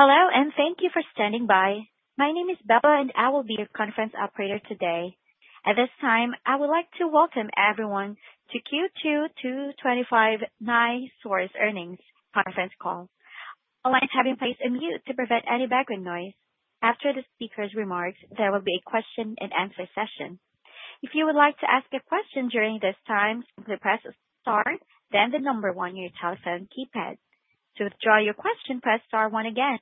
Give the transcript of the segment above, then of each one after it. Hello and thank you for standing by. My name is Beppa, and I will be your conference operator today. At this time, I would like to welcome everyone to the Q2 2025 NiSource earnings conference call. All lines have been placed on mute to prevent any background noise. After the speakers' remarks, there will be a question and answer session. If you would like to ask a question during this time, simply press star, then the number one on your telephone keypad. To withdraw your question, press star one again.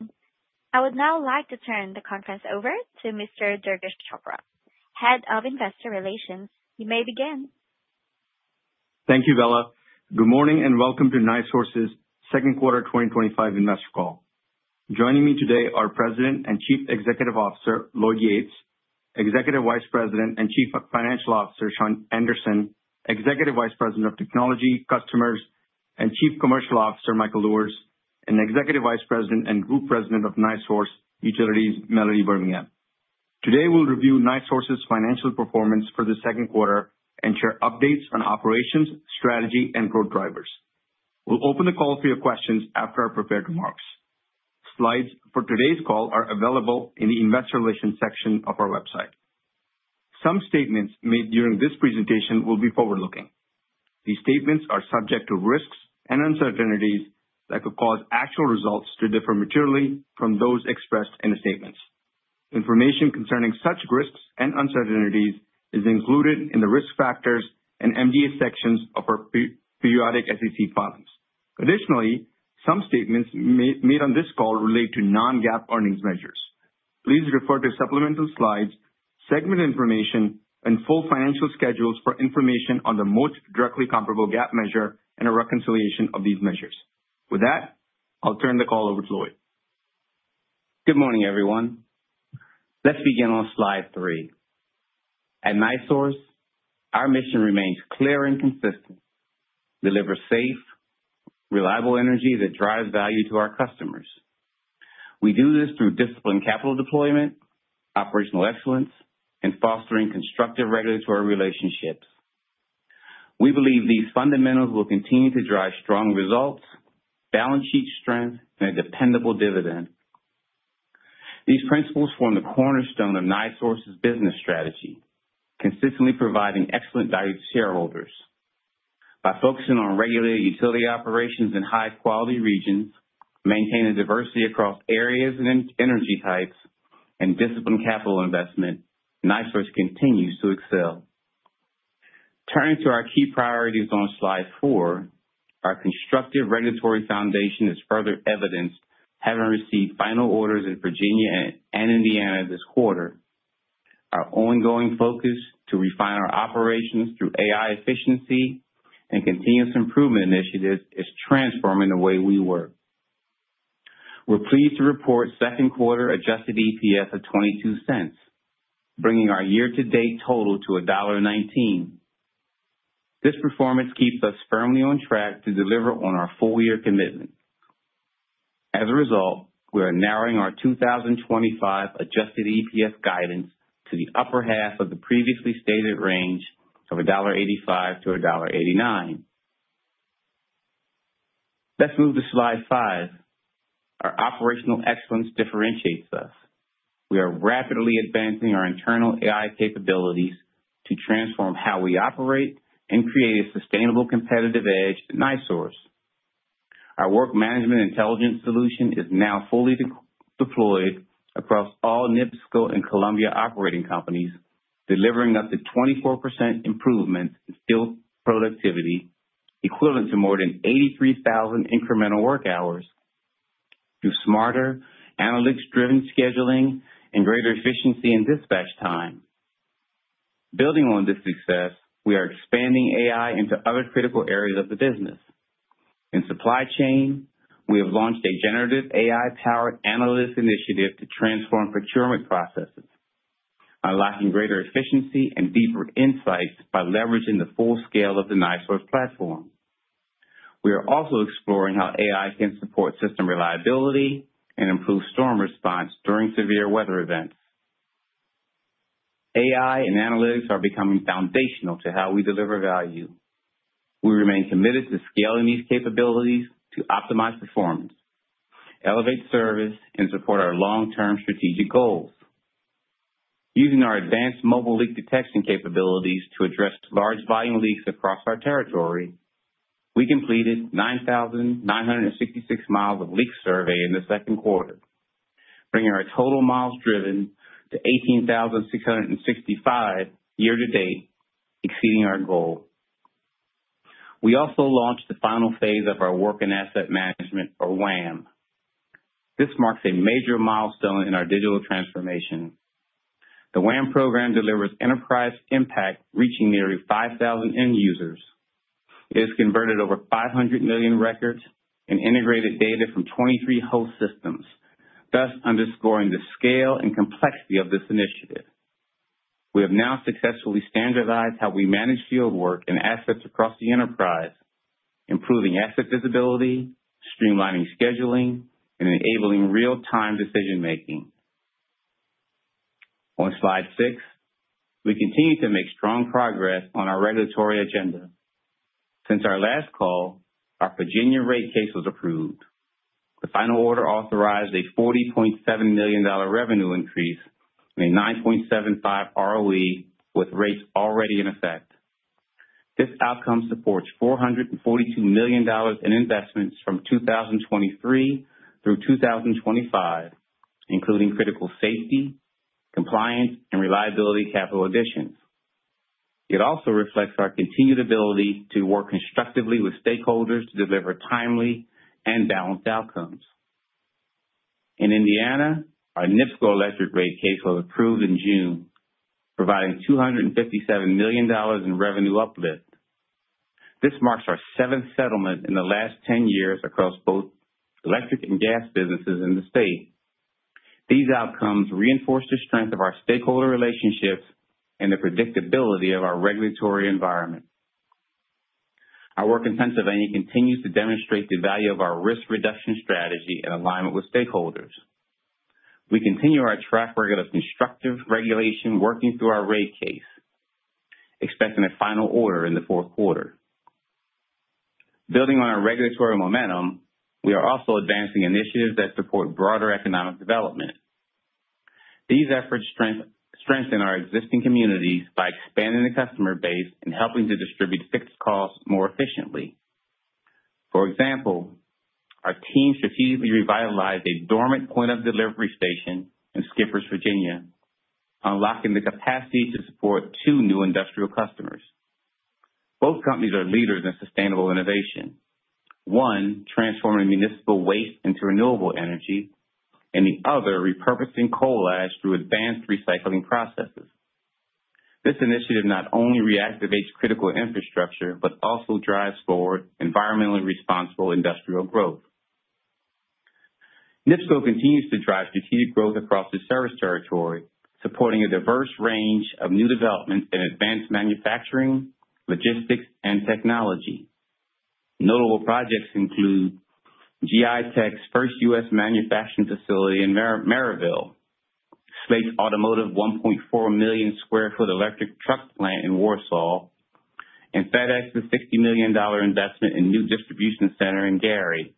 I would now like to turn the conference over to Mr. Durgesh Chopra, Head of Investor Relations. You may begin. Thank you, Bella. Good morning and welcome to NISource's second quarter 2025 investor call. Joining me today are President and Chief Executive Officer, Lloyd Yates, Executive Vice President and Chief Financial Officer, Sean Anderson, Executive Vice President of Technology, Customers, and Chief Commercial Officer, Michael Luhrs, and Executive Vice President and Group President of NISource Utilities, Melody Birmingham. Today, we'll review NISource's financial performance for the second quarter and share updates on operations, strategy, and growth drivers. We'll open the call for your questions after our prepared remarks. Slides for today's call are available in the Investor Relations section of our website. Some statements made during this presentation will be forward-looking. These statements are subject to risks and uncertainties that could cause actual results to differ materially from those expressed in the statements. Information concerning such risks and uncertainties is included in the risk factors and MDA sections of our periodic SEC filings. Additionally, some statements made on this call relate to non-GAAP earnings measures. Please refer to supplemental slides, segment information, and full financial schedules for information on the most directly comparable GAAP measure and a reconciliation of these measures. With that, I'll turn the call over to Lloyd. Good morning, everyone. Let's begin on slide three. At NISource, our mission remains clear and consistent: deliver safe, reliable energy that drives value to our customers. We do this through disciplined capital deployment, operational excellence, and fostering constructive regulatory relationships. We believe these fundamentals will continue to drive strong results, balance sheet strength, and a dependable dividend. These principles form the cornerstone of NISource's business strategy, consistently providing excellent value to shareholders. By focusing on regular utility operations in high-quality regions, maintaining diversity across areas and energy types, and disciplined capital investment, NISource continues to excel. Turning to our key priorities on slide four, our constructive regulatory foundation is further evidenced having received final orders in Virginia and Indiana this quarter. Our ongoing focus to refine our operations through AI efficiency and continuous improvement initiatives is transforming the way we work. We're pleased to report the second quarter adjusted EPS of $0.22, bringing our year-to-date total to $1.19. This performance keeps us firmly on track to deliver on our full-year commitment. As a result, we are narrowing our 2025 adjusted EPS guidance to the upper half of the previously stated range of $1.85-$1.89. Let's move to slide five. Our operational excellence differentiates us. We are rapidly advancing our internal AI capabilities to transform how we operate and create a sustainable competitive edge at NISource. Our work management intelligence solution is now fully deployed across all NIPSCO and Columbia Gas operating companies, delivering up to 24% improvements in skilled productivity, equivalent to more than 83,000 incremental work hours, through smarter, analytics-driven scheduling and greater efficiency in dispatch time. Building on this success, we are expanding AI into other critical areas of the business. In supply chain, we have launched a generative AI-powered analytics initiative to transform procurement processes, unlocking greater efficiency and deeper insights by leveraging the full scale of the NISource platform. We are also exploring how AI can support system reliability and improve storm response during severe weather events. AI and analytics are becoming foundational to how we deliver value. We remain committed to scaling these capabilities to optimize performance, elevate service, and support our long-term strategic goals. Using our advanced mobile leak detection capabilities to address large volume leaks across our territory, we completed 9,966 miles of leak survey in the second quarter, bringing our total miles driven to 18,665 year-to-date, exceeding our goal. We also launched the final phase of our work in asset management, or WAM. This marks a major milestone in our digital transformation. The WAM program delivers enterprise impact, reaching nearly 5,000 end users. It has converted over 500 million records and integrated data from 23 host systems, thus underscoring the scale and complexity of this initiative. We have now successfully standardized how we manage fieldwork and assets across the enterprise, improving asset visibility, streamlining scheduling, and enabling real-time decision-making. On slide six, we continue to make strong progress on our regulatory agenda. Since our last call, our Virginia rate case was approved. The final order authorized a $40.7 million revenue increase and a 9.75% ROE with rates already in effect. This outcome supports $442 million in investments from 2023 through 2025, including critical safety, compliance, and reliability capital additions. It also reflects our continued ability to work constructively with stakeholders to deliver timely and balanced outcomes. In Indiana, our NIPSCO electric rate case was approved in June, providing $257 million in revenue uplift. This marks our seventh settlement in the last 10 years across both electric and gas businesses in the state. These outcomes reinforce the strength of our stakeholder relationships and the predictability of our regulatory environment. Our work in Pennsylvania continues to demonstrate the value of our risk reduction strategy and alignment with stakeholders. We continue our track record of constructive regulation, working through our rate case, expecting a final order in the fourth quarter. Building on our regulatory momentum, we are also advancing initiatives that support broader economic development. These efforts strengthen our existing communities by expanding the customer base and helping to distribute fixed costs more efficiently. For example, our team strategically revitalized a dormant point of delivery station in Skippers, Virginia, unlocking the capacity to support two new industrial customers. Both companies are leaders in sustainable innovation, one transforming municipal waste into renewable energy, and the other repurposing coal ash through advanced recycling processes. This initiative not only reactivates critical infrastructure but also drives forward environmentally responsible industrial growth. NIPSCO continues to drive strategic growth across the service territory, supporting a diverse range of new developments in advanced manufacturing, logistics, and technology. Notable projects include GI Tech's first U.S. manufacturing facility in Merrillville, Slate's automotive 1.4 million sq ft electric truck plant in Warsaw, and FedEx's $60 million investment in a new distribution center in Gary,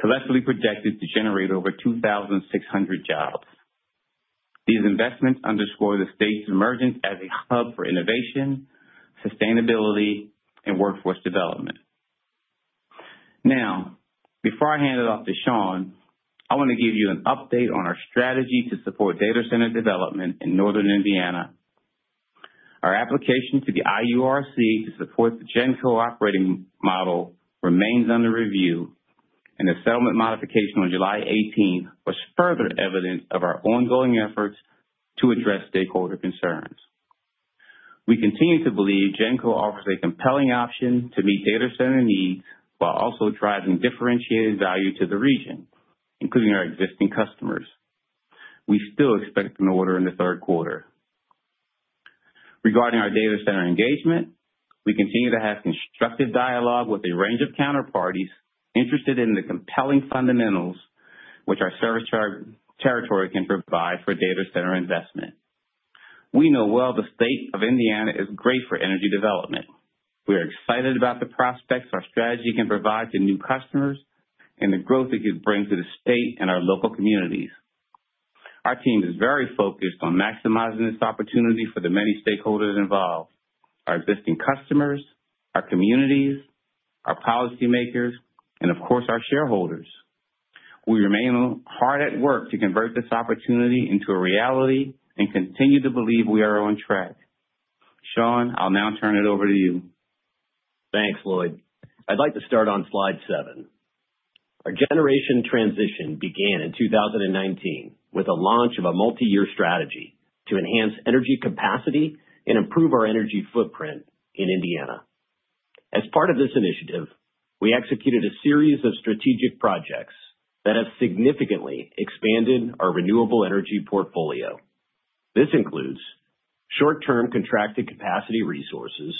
collectively projected to generate over 2,600 jobs. These investments underscore the state's emergence as a hub for innovation, sustainability, and workforce development. Now, before I hand it off to Sean, I want to give you an update on our strategy to support data center development in Northern Indiana. Our application to the Indiana Utility Regulatory Commission to support the GENCO operating model remains under review, and the settlement modification on July 18 was further evidence of our ongoing efforts to address stakeholder concerns. We continue to believe GENCO offers a compelling option to meet data center needs while also driving differentiated value to the region, including our existing customers. We still expect an order in the third quarter. Regarding our data center engagement, we continue to have constructive dialogue with a range of counterparties interested in the compelling fundamentals which our service territory can provide for data center investment. We know well the state of Indiana is great for energy development. We are excited about the prospects our strategy can provide to new customers and the growth it can bring to the state and our local communities. Our team is very focused on maximizing this opportunity for the many stakeholders involved: our existing customers, our communities, our policymakers, and of course, our shareholders. We remain hard at work to convert this opportunity into a reality and continue to believe we are on track. Shawn, I'll now turn it over to you. Thanks, Lloyd. I'd like to start on slide seven. Our generation transition began in 2019 with the launch of a multi-year strategy to enhance energy capacity and improve our energy footprint in Indiana. As part of this initiative, we executed a series of strategic projects that have significantly expanded our renewable energy portfolio. This includes short-term contracted capacity resources,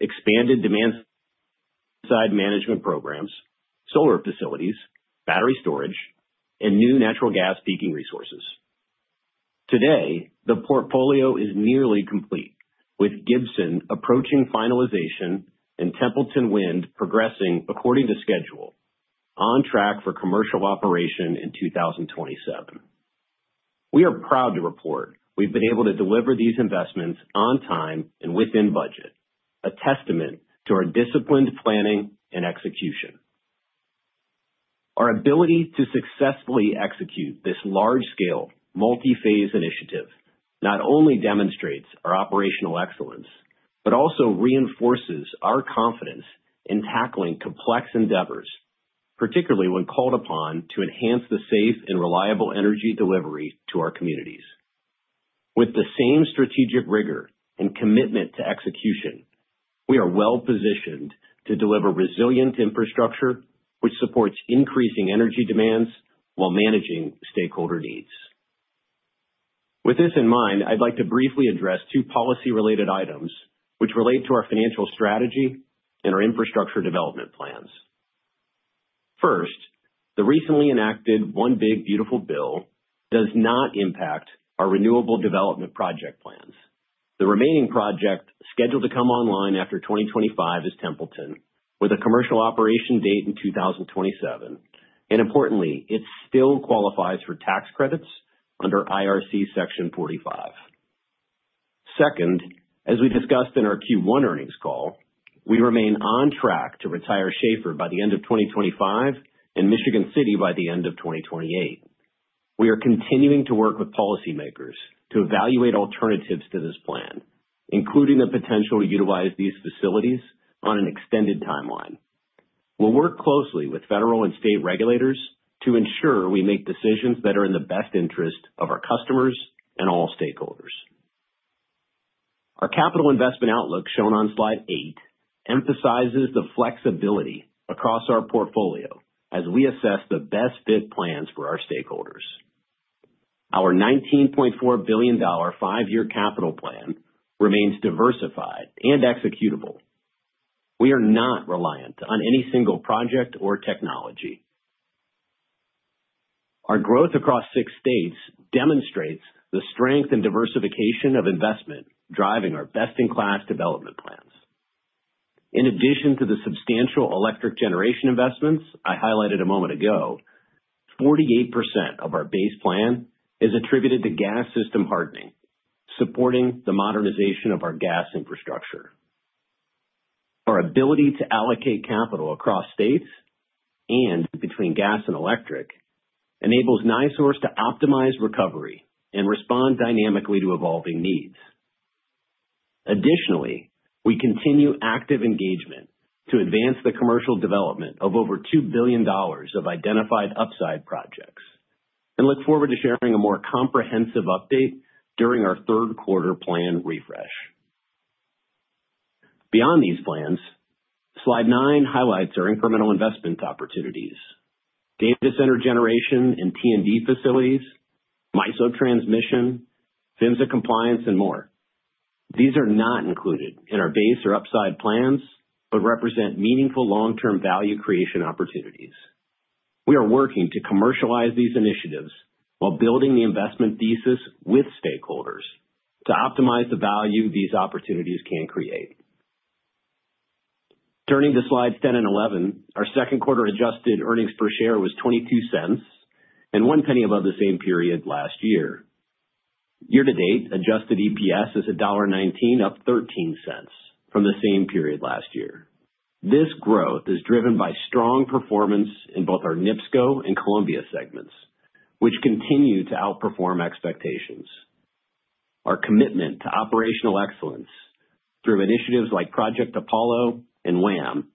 expanded demand-side management programs, solar facilities, battery storage, and new natural gas peaking resources. Today, the portfolio is nearly complete, with Gibson approaching finalization and Templeton Wind progressing according to schedule, on track for commercial operation in 2027. We are proud to report we've been able to deliver these investments on time and within budget, a testament to our disciplined planning and execution. Our ability to successfully execute this large-scale multi-phase initiative not only demonstrates our operational excellence but also reinforces our confidence in tackling complex endeavors, particularly when called upon to enhance the safe and reliable energy delivery to our communities. With the same strategic rigor and commitment to execution, we are well-positioned to deliver resilient infrastructure, which supports increasing energy demands while managing stakeholder needs. With this in mind, I'd like to briefly address two policy-related items which relate to our financial strategy and our infrastructure development plans. First, the recently enacted One Big Beautiful Bill does not impact our renewable development project plans. The remaining project scheduled to come online after 2025 is Templeton, with a commercial operation date in 2027. Importantly, it still qualifies for tax credits under IRC Section 45. Second, as we discussed in our Q1 earnings call, we remain on track to retire Schaefer by the end of 2025 and Michigan City by the end of 2028. We are continuing to work with policymakers to evaluate alternatives to this plan, including the potential to utilize these facilities on an extended timeline. We'll work closely with federal and state regulators to ensure we make decisions that are in the best interest of our customers and all stakeholders. Our capital investment outlook, shown on slide eight, emphasizes the flexibility across our portfolio as we assess the best-fit plans for our stakeholders. Our $19.4 billion five-year capital plan remains diversified and executable. We are not reliant on any single project or technology. Our growth across six states demonstrates the strength and diversification of investment driving our best-in-class development plans. In addition to the substantial electric generation investments I highlighted a moment ago, 48% of our base plan is attributed to gas system hardening, supporting the modernization of our gas infrastructure. Our ability to allocate capital across states and between gas and electric enables NISource to optimize recovery and respond dynamically to evolving needs. Additionally, we continue active engagement to advance the commercial development of over $2 billion of identified upside projects and look forward to sharing a more comprehensive update during our third quarter plan refresh. Beyond these plans, slide nine highlights our incremental investment opportunities: data center generation and T&D facilities, MISO transmission, FMSA compliance, and more. These are not included in our base or upside plans but represent meaningful long-term value creation opportunities. We are working to commercialize these initiatives while building the investment thesis with stakeholders to optimize the value these opportunities can create. Turning to slides 10 and 11, our second quarter adjusted earnings per share was $0.22 and one penny above the same period last year. Year-to-date adjusted EPS is $1.19, up $0.13 from the same period last year. This growth is driven by strong performance in both our NIPSCO and Columbia segments, which continue to outperform expectations. Our commitment to operational excellence through initiatives like Project Apollo and WAM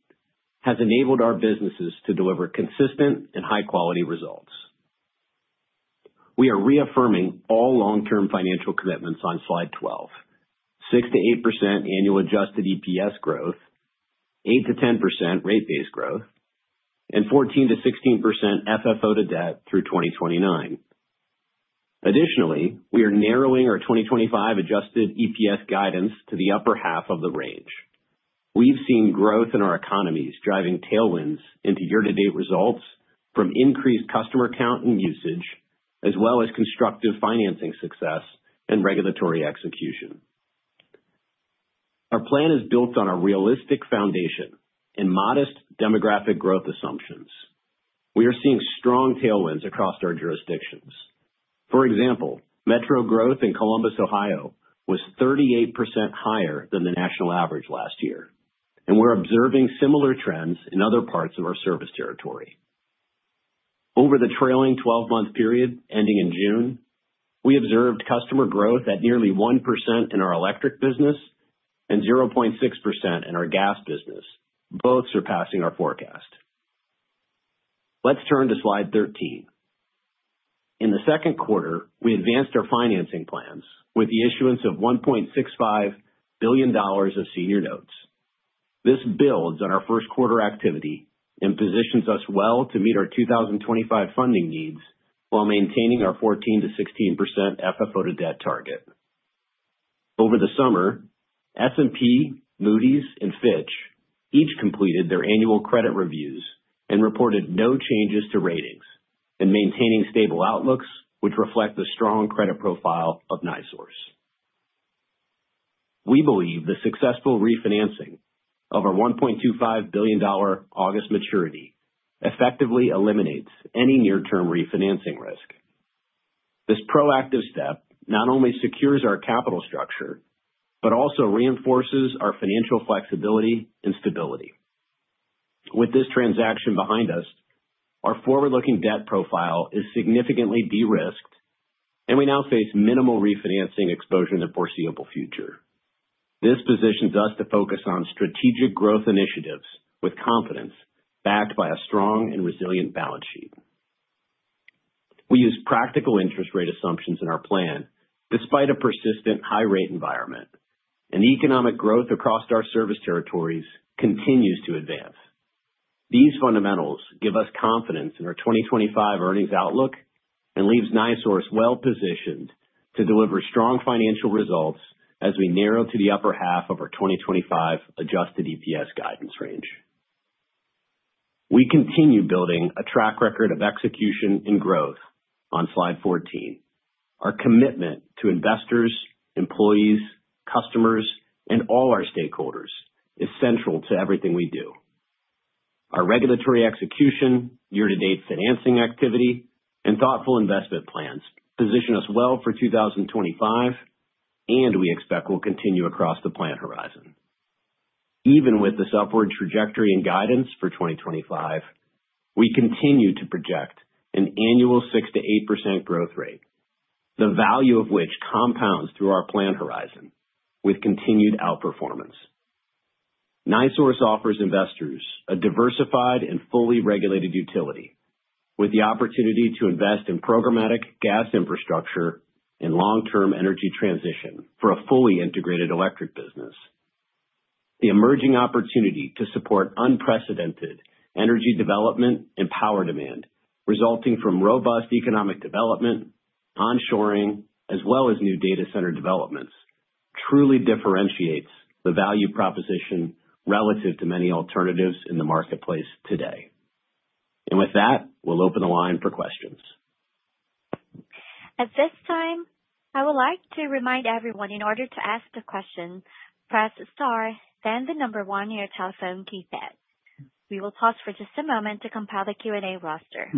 has enabled our businesses to deliver consistent and high-quality results. We are reaffirming all long-term financial commitments on slide 12: 6%-8% annual adjusted EPS growth, 8%-10% rate base growth, and 14%-16% FFO to debt through 2029. Additionally, we are narrowing our 2025 adjusted EPS guidance to the upper half of the range. We've seen growth in our economies driving tailwinds into year-to-date results from increased customer count and usage, as well as constructive financing success and regulatory execution. Our plan is built on a realistic foundation and modest demographic growth assumptions. We are seeing strong tailwinds across our jurisdictions. For example, metro growth in Columbus, Ohio, was 38% higher than the national average last year, and we're observing similar trends in other parts of our service territory. Over the trailing 12-month period ending in June, we observed customer growth at nearly 1% in our electric business and 0.6% in our gas business, both surpassing our forecast. Let's turn to slide 13. In the second quarter, we advanced our financing plans with the issuance of $1.65 billion of senior notes. This builds on our first quarter activity and positions us well to meet our 2025 funding needs while maintaining our 14% to 16% FFO to debt target. Over the summer, S&P, Moody's, and Fitch each completed their annual credit reviews and reported no changes to ratings, maintaining stable outlooks, which reflect the strong credit profile of NISource. We believe the successful refinancing of a $1.25 billion August maturity effectively eliminates any near-term refinancing risk. This proactive step not only secures our capital structure but also reinforces our financial flexibility and stability. With this transaction behind us, our forward-looking debt profile is significantly de-risked, and we now face minimal refinancing exposure in the foreseeable future. This positions us to focus on strategic growth initiatives with confidence, backed by a strong and resilient balance sheet. We use practical interest rate assumptions in our plan despite a persistent high-rate environment, and economic growth across our service territories continues to advance. These fundamentals give us confidence in our 2025 earnings outlook and leave NISource well-positioned to deliver strong financial results as we narrow to the upper half of our 2025 adjusted EPS guidance range. We continue building a track record of execution and growth. On slide 14, our commitment to investors, employees, customers, and all our stakeholders is central to everything we do. Our regulatory execution, year-to-date financing activity, and thoughtful investment plans position us well for 2025, and we expect we'll continue across the planned horizon. Even with this upward trajectory and guidance for 2025, we continue to project an annual 6% to 8% growth rate, the value of which compounds through our planned horizon with continued outperformance. NISource offers investors a diversified and fully regulated utility, with the opportunity to invest in programmatic gas infrastructure and long-term energy transition for a fully integrated electric business. The emerging opportunity to support unprecedented energy development and power demand, resulting from robust economic development, onshoring, as well as new data center developments, truly differentiates the value proposition relative to many alternatives in the marketplace today. With that, we'll open the line for questions. At this time, I would like to remind everyone in order to ask the question, press star, then the number one on your telephone keypad. We will pause for just a moment to compile the Q&A roster.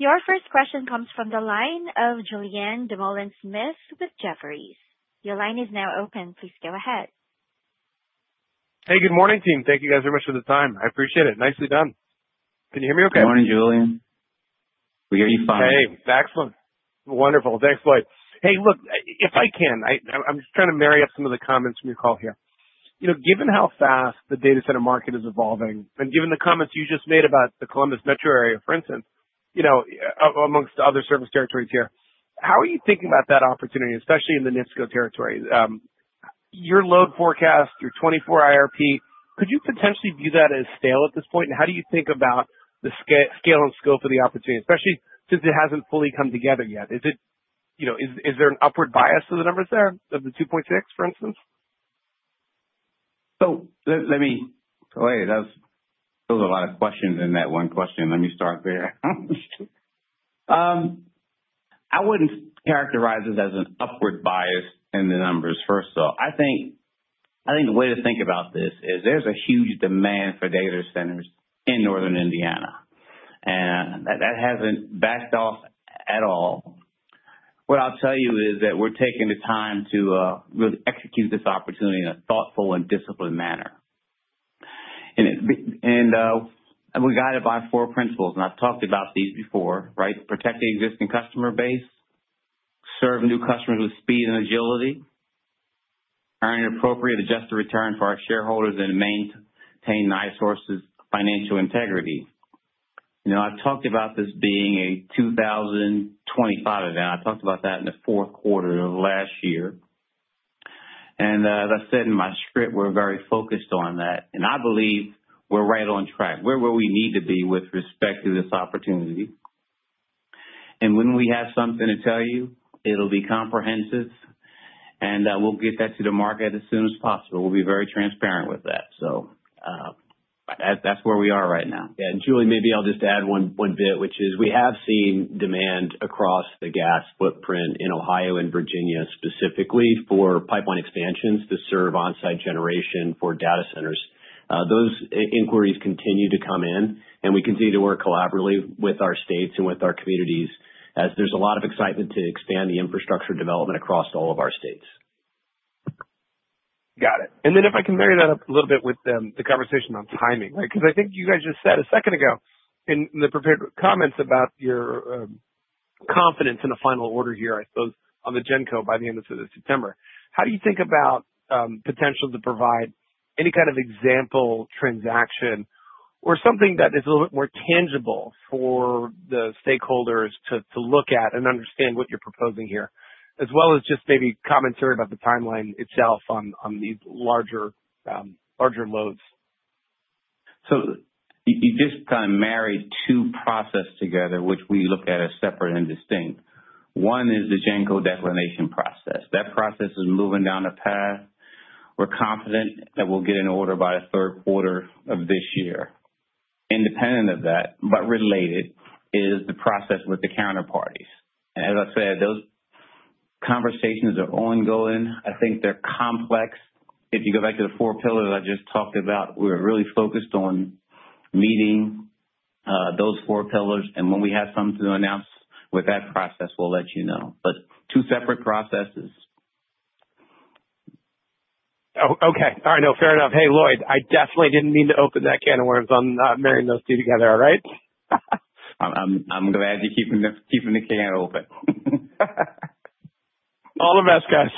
Your first question comes from the line of Julien Dumoulin-Smith with Jefferies. Your line is now open. Please go ahead. Hey, good morning, team. Thank you very much for the time. I appreciate it. Nicely done. Can you hear me okay? Morning, Julien. We hear you fine. Hey, excellent. Wonderful. Thanks, Lloyd. Hey, look, if I can, I'm just trying to marry up some of the comments from your call here. Given how fast the data center market is evolving and given the comments you just made about the Columbus metro area, for instance, amongst other service territories here, how are you thinking about that opportunity, especially in the NIPSCO territory? Your load forecast, your 2024 IRP, could you potentially view that as stale at this point? How do you think about the scale and scope of the opportunity, especially since it hasn't fully come together yet? Is there an upward bias of the numbers there, of the 2.6, for instance? Let me start there. I wouldn't characterize it as an upward bias in the numbers herself. I think the way to think about this is there's a huge demand for data centers in Northern Indiana, and that hasn't backed off at all. What I'll tell you is that we're taking the time to really execute this opportunity in a thoughtful and disciplined manner. We're guided by four principles, and I've talked about these before, right? Protect the existing customer base, serve new customers with speed and agility, earn an appropriate adjusted return for our shareholders, and maintain NiSource's financial integrity. I've talked about this being a 2025 event. I talked about that in the fourth quarter of last year. As I said in my script, we're very focused on that. I believe we're right on track. We're where we need to be with respect to this opportunity. When we have something to tell you, it'll be comprehensive, and we'll get that to the market as soon as possible. We'll be very transparent with that. That's where we are right now. Yeah, and Julien, maybe I'll just add one bit, which is we have seen demand across the gas footprint in Ohio and Virginia specifically for pipeline expansions to serve onsite generation for data centers. Those inquiries continue to come in, and we continue to work collaboratively with our states and with our communities as there's a lot of excitement to expand the infrastructure development across all of our states. Got it. If I can marry that up a little bit with the conversation on timing, right? I think you guys just said a second ago in the prepared comments about your confidence in a final order here, I suppose, on the GENCO by the end of September. How do you think about potential to provide any kind of example transaction or something that is a little bit more tangible for the stakeholders to look at and understand what you're proposing here, as well as just maybe commentary about the timeline itself on these larger loads? You just kind of married two processes together, which we look at as separate and distinct. One is the GENCO declination process. That process is moving down a path. We're confident that we'll get an order by the third quarter of this year. Independent of that, but related, is the process with the counterparties. As I said, those conversations are ongoing. I think they're complex. If you go back to the four pillars I just talked about, we're really focused on meeting those four pillars. When we have something to announce with that process, we'll let you know. Two separate processes. Okay. All right. No, fair enough. Hey, Lloyd, I definitely didn't mean to open that can of worms on marrying those two together, all right? I'm glad you're keeping the can open. All the best, guys.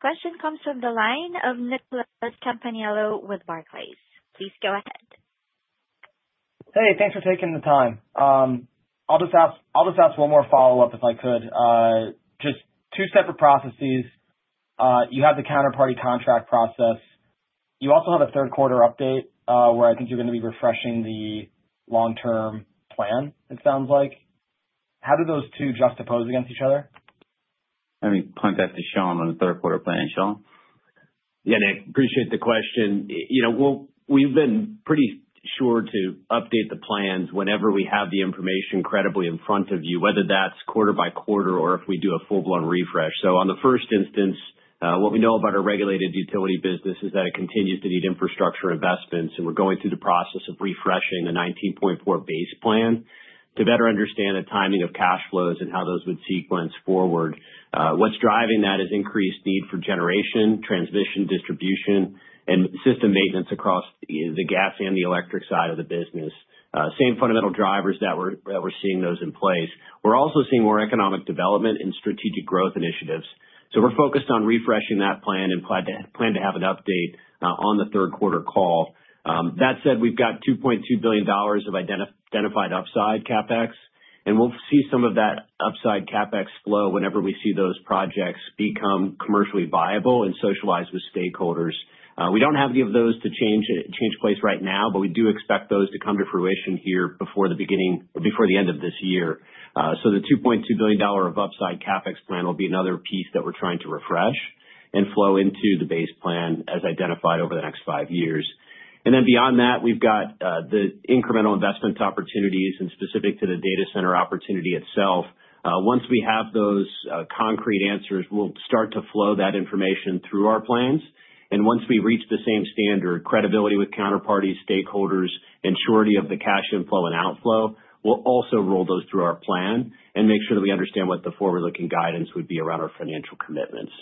Question comes from the line of Nick Campanella with Barclays. Please go ahead. Hey, thanks for taking the time. I'll just ask one more follow-up if I could. Just two separate processes. You have the counterparty contract process. You also have a third-quarter update where I think you're going to be refreshing the long-term plan, it sounds like. How do those two juxtapose against each other? Let me punt that to Sean on the third-quarter plan. Sean? Yeah, Nick, appreciate the question. We've been pretty sure to update the plans whenever we have the information credibly in front of you, whether that's quarter by quarter or if we do a full-blown refresh. In the first instance, what we know about our regulated utility business is that it continues to need infrastructure investments, and we're going through the process of refreshing the $19.4 billion base plan to better understand the timing of cash flows and how those would sequence forward. What's driving that is increased need for generation, transmission, distribution, and system maintenance across the gas and the electric side of the business. Same fundamental drivers that we're seeing in place. We're also seeing more economic development and strategic growth initiatives. We're focused on refreshing that plan and plan to have an update on the third-quarter call. That said, we've got $2.2 billion of identified upside CapEx, and we'll see some of that upside CapEx flow whenever we see those projects become commercially viable and socialize with stakeholders. We don't have any of those to change place right now, but we do expect those to come to fruition here before the beginning or before the end of this year. The $2.2 billion of upside CapEx plan will be another piece that we're trying to refresh and flow into the base plan as identified over the next five years. Beyond that, we've got the incremental investment opportunities and specific to the data center opportunity itself. Once we have those concrete answers, we'll start to flow that information through our plans. Once we reach the same standard, credibility with counterparties, stakeholders, and surety of the cash inflow and outflow, we'll also roll those through our plan and make sure that we understand what the forward-looking guidance would be around our financial commitments.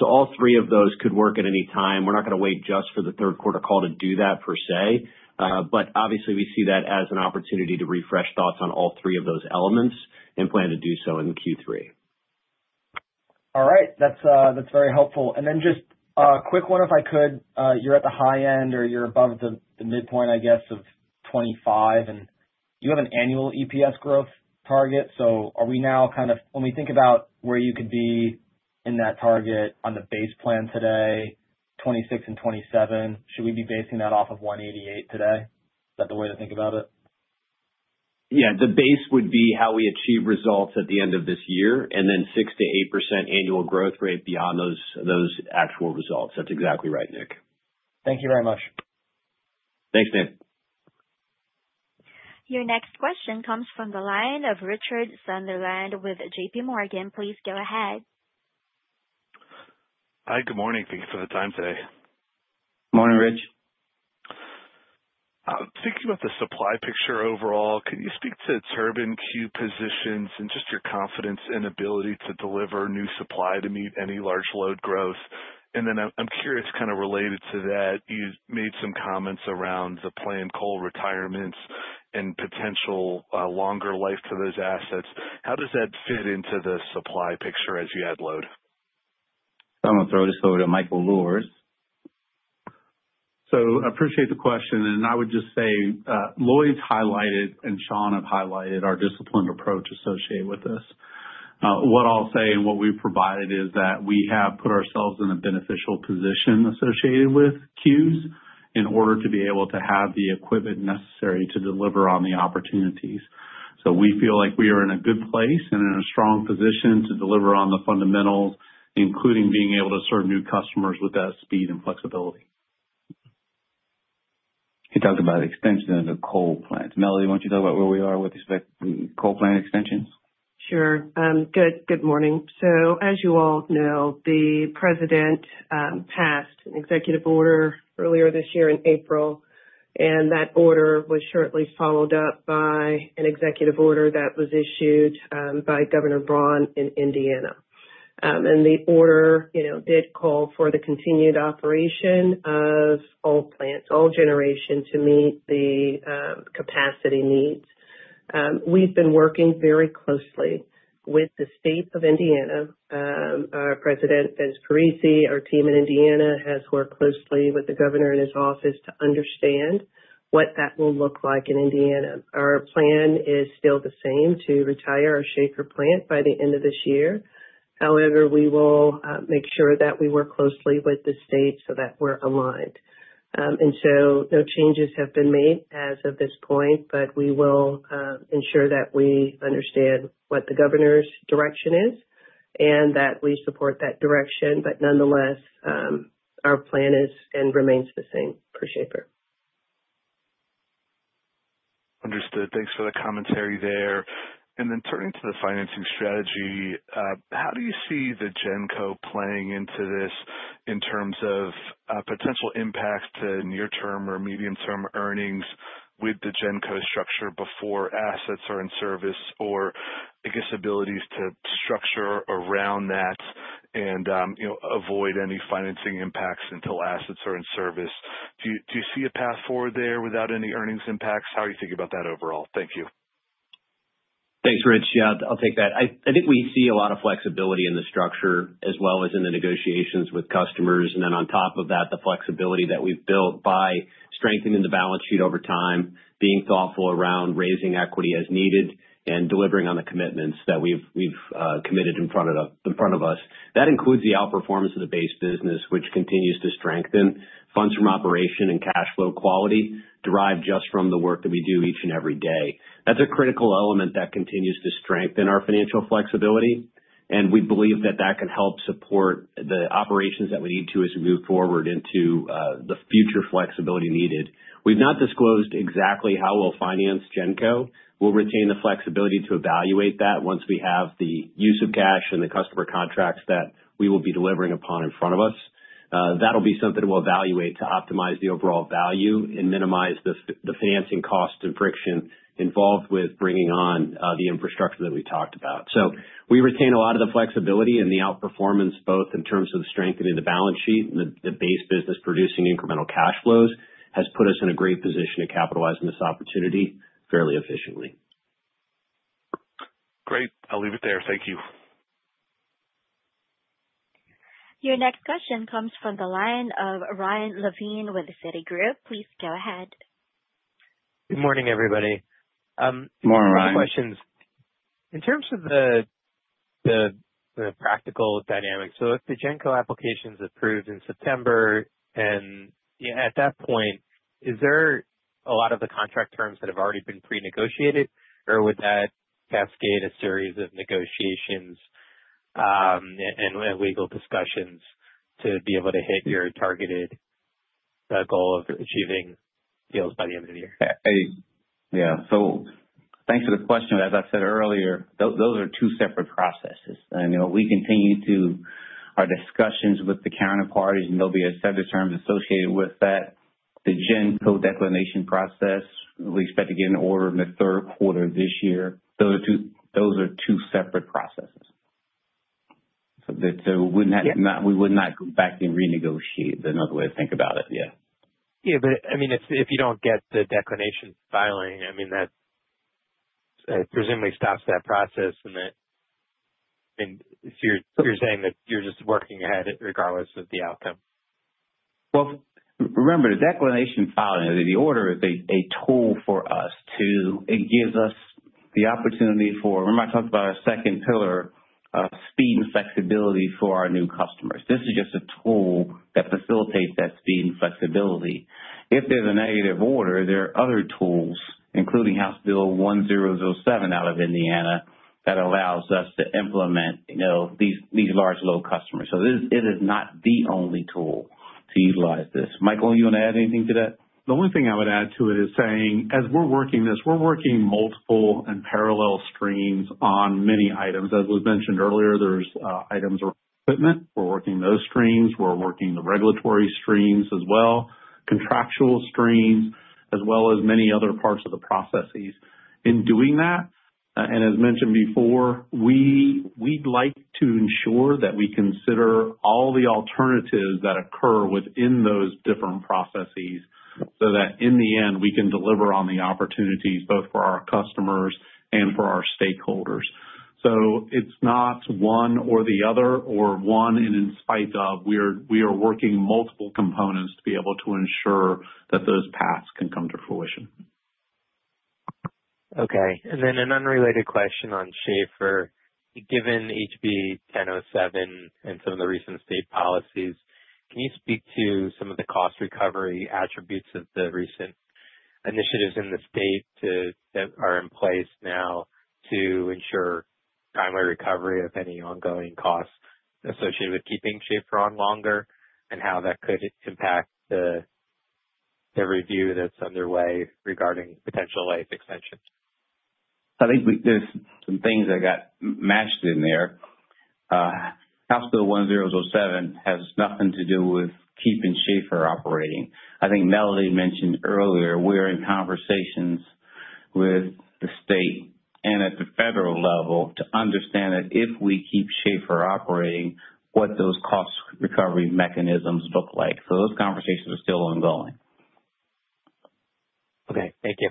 All three of those could work at any time. We're not going to wait just for the third-quarter call to do that per se. Obviously, we see that as an opportunity to refresh thoughts on all three of those elements and plan to do so in Q3. All right. That's very helpful. Just a quick one, if I could. You're at the high end or you're above the midpoint, I guess, of 2025, and you have an annual EPS growth target. Are we now kind of, when we think about where you could be in that target on the base plan today, 2026 and 2027, should we be basing that off of $1.88 today? Is that the way to think about it? Yeah, the base would be how we achieve results at the end of this year, and then 6% to 8% annual growth rate beyond those actual results. That's exactly right, Nick. Thank you very much. Thanks, Nick. Your next question comes from the line of Richard Sunderland with JPMorgan. Please go ahead. Hi, good morning. Thank you for the time today. Morning, Ridge. I'm thinking about the supply picture overall. Can you speak to turbine queue positions and just your confidence and ability to deliver new supply to meet any large load growth? I'm curious, kind of related to that, you made some comments around the planned coal retirements and potential longer life for those assets. How does that fit into the supply picture as you add load? I'm going to throw this over to Michael Luhrs. I appreciate the question. I would just say Lloyd's highlighted and Sean have highlighted our disciplined approach associated with this. What I'll say and what we've provided is that we have put ourselves in a beneficial position associated with queues in order to be able to have the equipment necessary to deliver on the opportunities. We feel like we are in a good place and in a strong position to deliver on the fundamentals, including being able to serve new customers with that speed and flexibility. You're talking about extension of the coal plants. Melody, why don't you talk about where we are with respect to the coal plant extension? Sure. Good morning. As you all know, the President passed an executive order earlier this year in April, and that order was shortly followed up by an executive order that was issued by Governor Braun in Indiana. The order did call for the continued operation of all plants, all generation, to meet the capacity needs. We've been working very closely with the state of Indiana. Our President, Ben Scarissi, our team in Indiana, has worked closely with the Governor and his office to understand what that will look like in Indiana. Our plan is still the same to retire our Schaefer plant by the end of this year. However, we will make sure that we work closely with the state so that we're aligned. No changes have been made as of this point, but we will ensure that we understand what the Governor's direction is and that we support that direction. Nonetheless, our plan is and remains the same for Schaefer. Understood. Thanks for the commentary there. Turning to the financing strategy, how do you see the GENCO operating model playing into this in terms of potential impact to near-term or medium-term earnings with the GENCO structure before assets are in service, or abilities to structure around that and avoid any financing impacts until assets are in service? Do you see a path forward there without any earnings impacts? How are you thinking about that overall? Thank you. Thanks, Ridge. Yeah, I'll take that. I think we see a lot of flexibility in the structure as well as in the negotiations with customers. On top of that, the flexibility that we've built by strengthening the balance sheet over time, being thoughtful around raising equity as needed, and delivering on the commitments that we've committed in front of us. That includes the outperformance of the base business, which continues to strengthen funds from operation and cash flow quality derived just from the work that we do each and every day. That's a critical element that continues to strengthen our financial flexibility. We believe that that can help support the operations that we need to as we move forward into the future flexibility needed. We've not disclosed exactly how we'll finance GENCO. We'll retain the flexibility to evaluate that once we have the use of cash and the customer contracts that we will be delivering upon in front of us. That'll be something we'll evaluate to optimize the overall value and minimize the financing costs and friction involved with bringing on the infrastructure that we talked about. We retain a lot of the flexibility and the outperformance both in terms of strengthening the balance sheet and the base business producing incremental cash flows has put us in a great position to capitalize on this opportunity fairly efficiently. Great. I'll leave it there. Thank you. Your next question comes from the line of Ryan Levine with Citi. Please go ahead. Good morning, everybody. Morning, Ryan. In terms of the practical dynamics, if the GENCO application is approved in September, at that point, is there a lot of the contract terms that have already been pre-negotiated, or would that cascade a series of negotiations and legal discussions to be able to hit your targeted goal of achieving deals by the end of the year? Yeah. Thanks for the question. As I said earlier, those are two separate processes. We continue our discussions with the counterparties, and there will be a set of terms associated with that. The GENCO declination process, we expect to get an order in the third quarter of this year. Those are two separate processes. We would not go back and renegotiate. That's another way to think about it. Yeah. If you don't get the declination filing, that presumably stops that process. You're saying that you're just working ahead regardless of the outcome? Remember, the declination filing, the order is a tool for us to, it gives us the opportunity for, remember I talked about our second pillar of speed and flexibility for our new customers. This is just a tool that facilitates that speed and flexibility. If there's a negative order, there are other tools, including House Bill 1007 out of Indiana, that allow us to implement, you know, these large load customers. It is not the only tool to utilize this. Michael, you want to add anything to that? The only thing I would add to it is saying, as we're working this, we're working multiple and parallel streams on many items. As was mentioned earlier, there's items or equipment. We're working those streams. We're working the regulatory streams as well, contractual streams, as well as many other parts of the processes. In doing that, and as mentioned before, we'd like to ensure that we consider all the alternatives that occur within those different processes so that in the end, we can deliver on the opportunities both for our customers and for our stakeholders. It's not one or the other or one and in spite of. We are working multiple components to be able to ensure that those paths can come to fruition. Okay. An unrelated question on Schaefer. Given HB 1007 and some of the recent state policies, can you speak to some of the cost recovery attributes of the recent initiatives in the state that are in place now to ensure primary recovery of any ongoing costs associated with keeping Schaefer on longer and how that could impact the review that's underway regarding potential life extension? I think there's some things that got mashed in there. House Bill 1007 has nothing to do with keeping Schaefer operating. I think Melody mentioned earlier, we're in conversations with the state and at the federal level to understand that if we keep Schaefer operating, what those cost recovery mechanisms look like. Those conversations are still ongoing. Okay. Thank you.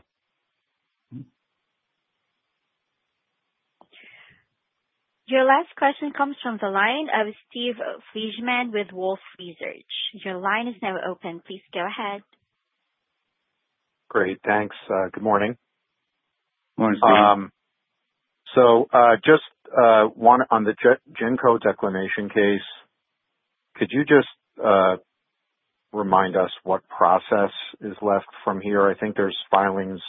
Your last question comes from the line of Steve Fleishman with Wolfe Research. Your line is now open. Please go ahead. Great, thanks. Good morning. Morning. On the GENCO declination case, could you just remind us what process is left from here? I think there's filings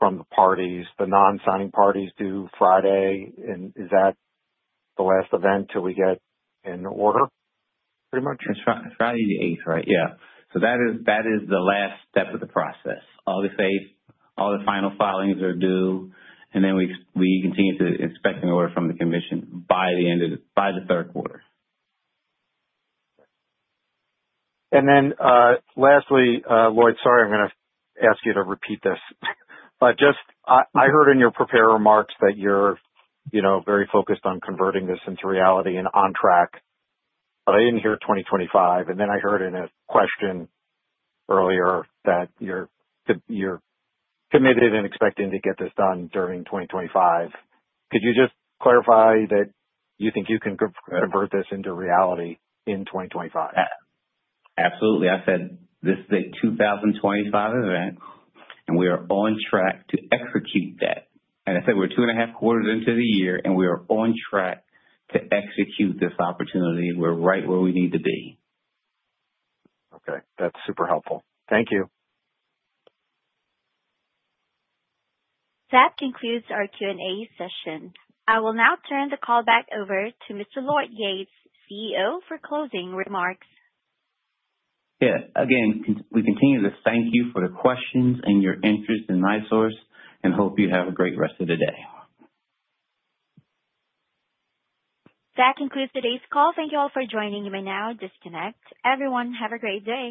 from the parties, the non-signing parties due Friday. Is that the last event till we get an order pretty much? It's Friday the 8th, right? Yeah. That is the last step of the process. August 8th, all the final filings are due, and we continue to expect an order from the commission by the end of the third quarter. Lastly, Lloyd, sorry, I'm going to ask you to repeat this. I heard in your prepared remarks that you're very focused on converting this into reality and on track, but I didn't hear 2025. I heard in a question earlier that you're committed and expecting to get this done during 2025. Could you just clarify that you think you can convert this into reality in 2025? Absolutely. I said this is the 2025 event, and we are on track to execute that. I said we're two and a half quarters into the year, and we are on track to execute this opportunity. We're right where we need to be. Okay. That's super helpful. Thank you. That concludes our Q&A session. I will now turn the call back over to Mr. Lloyd Yates, CEO, for closing remarks. Yeah, again, we continue to thank you for the questions and your interest in NISource, and hope you have a great rest of the day. That concludes today's call. Thank you all for joining. You may now disconnect. Everyone, have a great day.